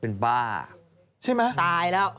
เป็นบ้าอ่ะใช่ไหม